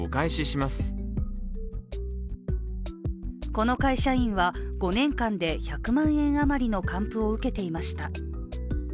この会社員は５年間で１００万円余りの還付を受けていました。